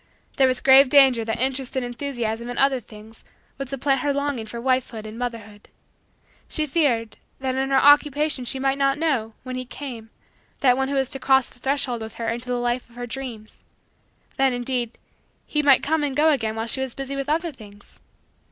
There was grave danger that interest and enthusiasm in other things would supplant her longing for wifehood and motherhood. She feared that in her Occupation she might not know, when he came, that one who was to cross the threshold with her into the life of her dreams that, indeed, he might come and go again while she was busy with other things.